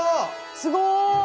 すごい。